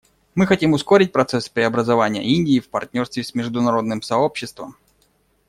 Мы хотим ускорить процесс преобразования Индии в партнерстве с международным сообществом.